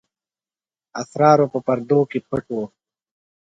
اسرارو په پردو کې پټ وو.